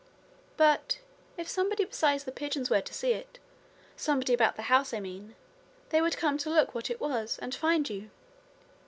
'But if somebody besides the pigeons were to see it somebody about the house, I mean they would come to look what it was and find you.'